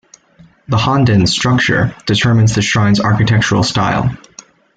The "honden's" structure determines the shrine's architectural style.